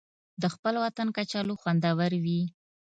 د خپل وطن کچالو خوندور وي